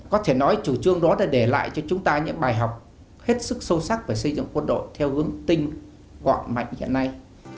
có thể nói chủ trương đó đã để lại cho chúng ta những bài học hết sức sâu sắc về xây dựng quân đội theo hướng tinh quạng mạnh hiện nay